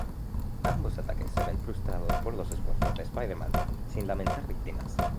Ambos ataques se ven frustrados por los esfuerzos de Spider-Man, sin lamentar víctimas.